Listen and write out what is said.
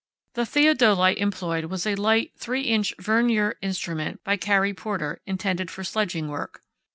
The theodolite employed was a light 3´´ Vernier instrument by Carey Porter, intended for sledging work.